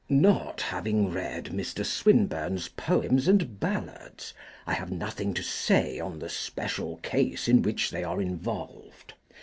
Not having read Mr. Swinburne's "Poems and Ballads," I have nothing to say on the special case in which they are involved.